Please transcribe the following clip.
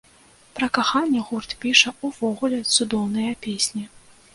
Пра каханне гурт піша ўвогуле цудоўныя песні.